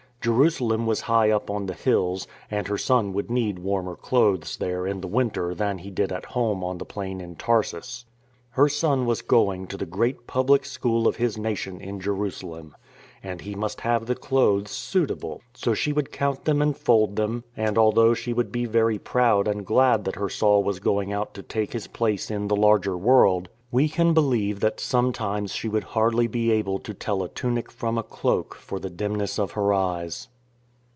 Jerusalem was high up on the hills, and her son would need warmer clothes there in the winter than he did at home on the plain in Tarsus. Her son was going to the great public school of his nation in Jerusalem. And he must have the clothes suitable. So she would count them and fold them — and, although she would be very proud and glad that her Saul was going out to take his place in the larger world, we ON THE CARAVAN ROAD 47 can believe that sometimes she would hardly be able to tell a tunic from a cloak for the dimness of her eyes.